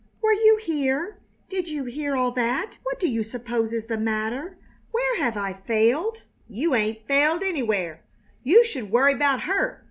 Were you here? Did you hear all that? What do you suppose is the matter? Where have I failed?" "You 'ain't failed anywhere! You should worry 'bout her!